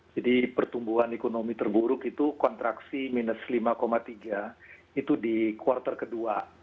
jadi pertumbuhan ekonomi terburuk itu kontraksi minus lima tiga itu di kuartal kedua